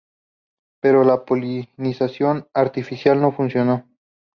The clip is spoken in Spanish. Pero la polinización artificial no funcionó.